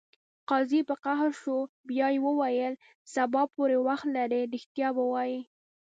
قاضي په قهر شو بیا یې وویل: سبا پورې وخت لرې ریښتیا به وایې.